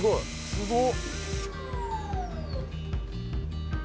すごっ！